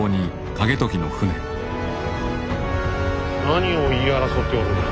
何を言い争っておるんだ？